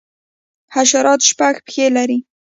حشرات شپږ پښې لري